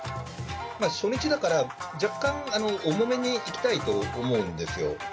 初日だから若干重めにいきたいと思うんですよ。